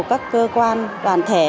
các cơ quan đoàn thể